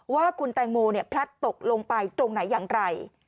ว่าคุณแตงโมพลัดตกลงไปตรงไหนอย่างไร